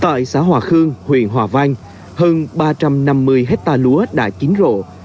tại xã hòa khương huyện hòa vang hơn ba trăm năm mươi hectare lúa đã chín rộ